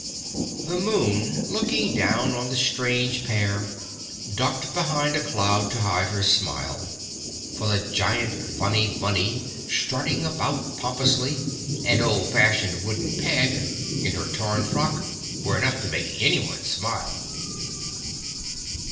The moon, looking down on the strange pair, ducked behind a cloud to hide her smile, for the giant funny bunny, strutting about pompously, and old fashioned wooden Peg, in her torn frock, were enough to make anyone smile.